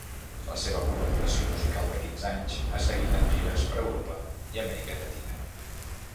La seva col·laboració musical de quinze anys ha seguit amb gires per Europa i Amèrica Llatina.